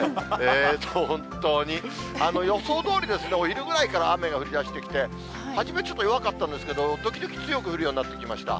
本当に。予想どおりですね、お昼ぐらいから雨が降りだしてきて、初めちょっと弱かったんですけど、時々強く降るようになってきました。